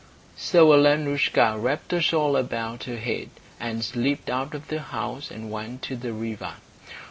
So Alenoushka wrapped a shawl about her head, and slipped out of the house and went to the river.